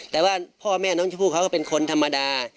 แต่ว่าพ่อแม่น้องชมพู่เขาก็เป็นคนธรรมดา